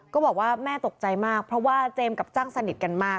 ก็บอกว่าแม่ตกใจมากเพราะว่าเจมส์กับจ้างสนิทกันมาก